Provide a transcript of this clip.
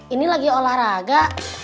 ini lagi olahraga